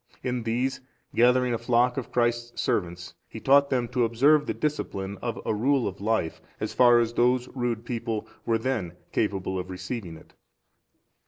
In these, gathering a flock of Christ's servants, he taught them to observe the discipline of a rule of life, as far as those rude people were then capable of receiving it.